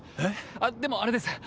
あっでもあれです。